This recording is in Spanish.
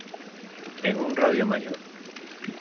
en un radio mayor.